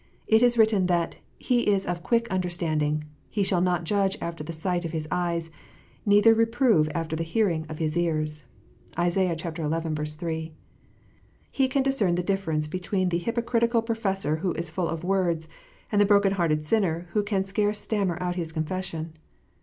It is written that " He is of quick understanding. He shall not judge after the sight of His eyes, neither reprove after the hearing of His ears." (Isa. xi. 3.) He can discern the difference between the hypocritical professor who is full of words, and the broken hearted sinner who can scarce stammer out his confession.